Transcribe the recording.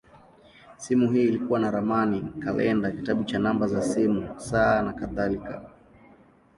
Simu hii ilikuwa na ramani, kalenda, kitabu cha namba za simu, saa, nakadhalika.